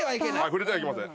触れてはいけません。